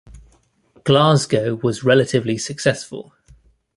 Glasgow was relatively successful.